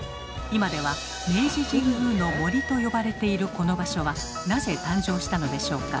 今では明治神宮の「森」と呼ばれているこの場所はなぜ誕生したのでしょうか？